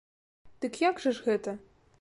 Дык як жа ж гэта?